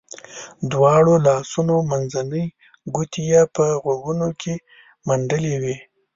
دواړو لاسو منځنۍ ګوتې یې په غوږونو کې منډلې وې.